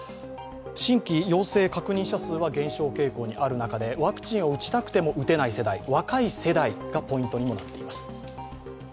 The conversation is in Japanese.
新規陽性確認者数は減少傾向にある中でワクチンを打ちたくても打てない世代、若い世代がポイントにもなっています。